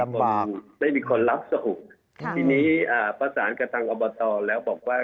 คนที่๔อยู่สุทธิพย์คนที่๔อยู่สุทธิพย์